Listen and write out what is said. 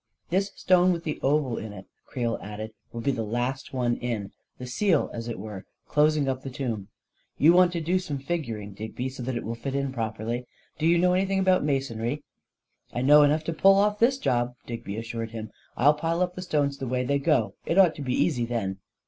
44 This stone with the oval in it," Creel added, 44 will be the last one in — the seal, as it were, clos ing up the tomb. You want to do some figuring, A KING IN BABYLON 243 Digby, so that it will fit in properly. Do you know anything about masonry? "" I know enough to pull off this job," Digby as sured him. " I'll pile up the stones the way they go — it ought to be easy, then."